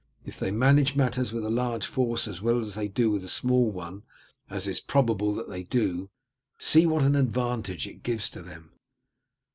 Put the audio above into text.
If they manage matters with a large force as well as they do with a small one, as it is probable that they do, see what an advantage it gives to them.